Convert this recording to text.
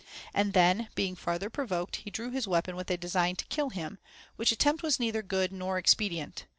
And then, being• farther provoked, he drew his weapon with a design to kill him, which attempt was neither good nor expedient.